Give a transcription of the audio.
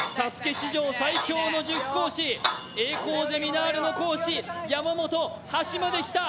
史上最強の塾講師栄光ゼミナールの講師、山本、端まで来た。